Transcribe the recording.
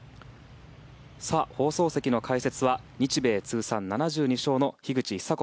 放送席の解説は日米通算７２勝の樋口久子